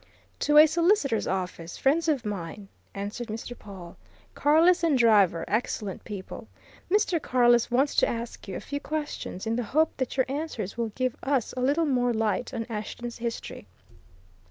"To a solicitor's office friends of mine," answered Mr. Pawle. "Carless and Driver excellent people. Mr. Carless wants to ask you a few questions in the hope that your answers will give us a little more light on Ashton's history.